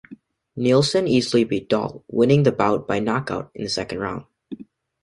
Nielsen easily beat Dahl, winning the bout by knockout in the second round.